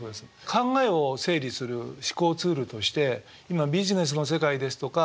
考えを整理する思考ツールとして今ビジネスの世界ですとか